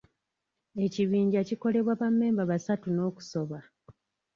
Ekibinja kikolebwa ba memba basatu n'okusoba.